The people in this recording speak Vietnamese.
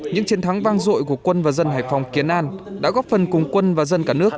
những chiến thắng vang dội của quân và dân hải phòng kiến an đã góp phần cùng quân và dân cả nước